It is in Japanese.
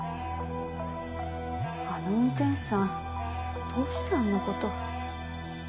あの運転手さんどうしてあんなこと。